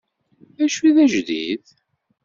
Dacu i d ajdid?